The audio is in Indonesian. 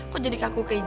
kok jadi kaku kayak gini